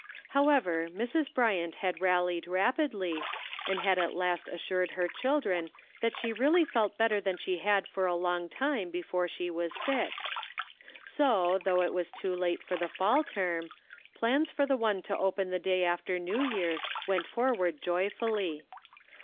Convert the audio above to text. However, Mrs. Bryant had rallied rapidly, and had at last assured her children that she really felt better than she had for a long time before she was sick ; so, though it was too late for the fall term, plans for the one to open the day after New Year's went forward joyfully.